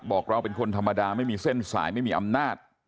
บอกเราเป็นคนธรรมดาไม่มีเส้นสายไม่มีอำนาจ